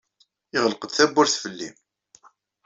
Yeɣleq-d tawwurt fell-i.